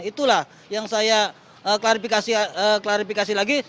itulah yang saya klarifikasi lagi